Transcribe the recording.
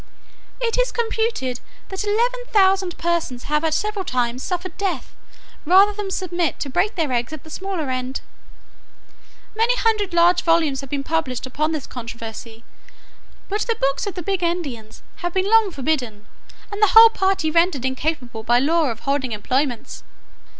It is computed that eleven thousand persons have at several times suffered death, rather than submit to break their eggs at the smaller end. Many hundred large volumes have been published upon this controversy: but the books of the Big endians have been long forbidden, and the whole party rendered incapable by law of holding employments.